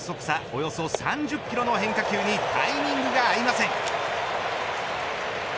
およそ３０キロの変化球にタイミングが合いません。